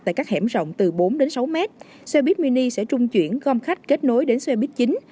tại các hẻm rộng từ bốn đến sáu mét xe buýt mini sẽ trung chuyển gom khách kết nối đến xe buýt chính